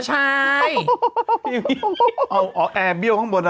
ไหนว่าเบี้ยวไหนอ่ะ